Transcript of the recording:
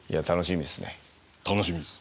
楽しみです。